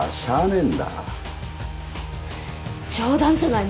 冗談じゃない。